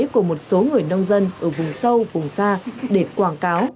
của một số người nông dân ở vùng sâu vùng xa để quảng cáo